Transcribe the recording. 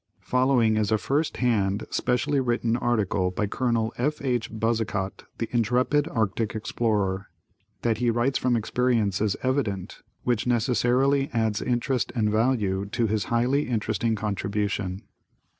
Following is a first hand, specially written article by Colonel F. H. Buzzacott, the intrepid Arctic explorer. That he writes from experience is evident, which necessarily adds interest and value to his highly interesting contribution.